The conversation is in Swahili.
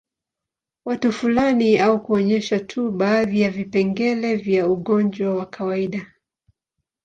Watu fulani au kuonyesha tu baadhi ya vipengele vya ugonjwa wa kawaida